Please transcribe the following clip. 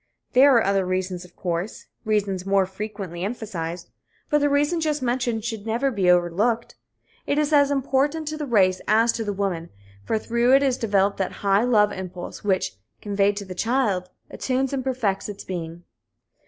There are other reasons, of course reasons more frequently emphasized but the reason just mentioned should never be overlooked. It is as important to the race as to the woman, for through it is developed that high love impulse which, conveyed to the child, attunes and perfects its being.